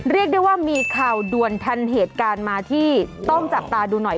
เรียกได้ว่ามีข่าวด่วนทันเหตุการณ์มาที่ต้องจับตาดูหน่อย